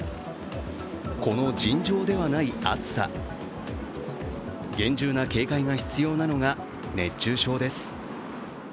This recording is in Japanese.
この尋常ではない暑さ、厳重な警戒が必要なのが熱中症です。